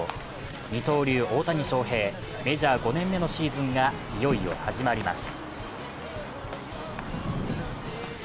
二刀流・大谷翔平、メジャー５年目のシーズンがいよいよ始まります。